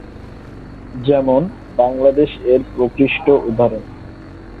যেমন- বাংলাদেশ এর প্রকৃষ্ট উদাহরণ।